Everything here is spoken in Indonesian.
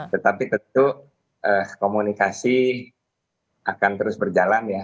tetapi tentu komunikasi akan terus berjalan ya